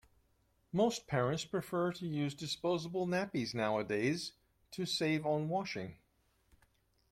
Most parents prefer to use disposable nappies nowadays, to save on washing